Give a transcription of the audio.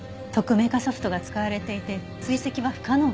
匿名化ソフトが使われていて追跡は不可能でした。